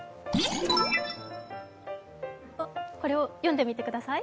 これを読んでみてください。